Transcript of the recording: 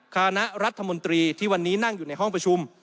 คณะรัฐมนตรีที่วันนี้นั่งอยู่ในห้องประชุม